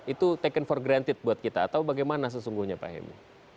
itu taken for granted buat kita atau bagaimana sesungguhnya pak hemo